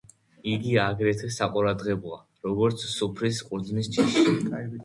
იგი აგრეთვე საყურადღებოა, როგორც სუფრის ყურძნის ჯიში.